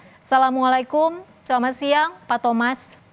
assalamu alaikum selamat siang pak thomas